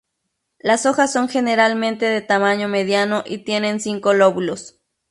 Las hojas son generalmente de tamaño mediano y tienen cinco lóbulos.